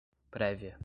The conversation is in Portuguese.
prévia